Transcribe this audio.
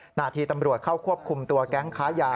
หน้าที่ตำรวจเข้าควบคุมตัวแก๊งค้ายา